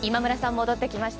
戻ってきました。